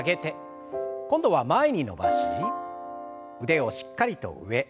今度は前に伸ばし腕をしっかりと上。